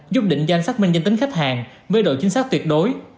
giúp định danh xác minh danh tính khách hàng với độ chính xác tuyệt đối